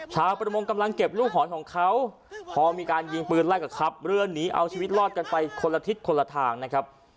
ประมงกำลังเก็บลูกหอยของเขาพอมีการยิงปืนไล่ก็ขับเรือนหนีเอาชีวิตรอดกันไปคนละทิศคนละทางนะครับ